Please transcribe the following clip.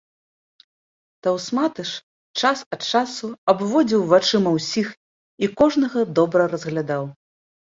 Таўсматы ж час ад часу абводзіў вачыма ўсіх і кожнага добра разглядаў.